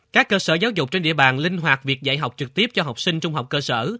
các cơ sở giáo dục trên địa bàn linh hoạt việc dạy học trực tiếp cho học sinh trung học cơ sở